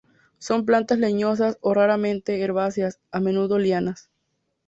Son plantas leñosas o raramente herbáceas, a menudo lianas.